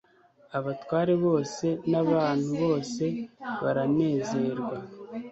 abatware bose n abantu bose baranezerwa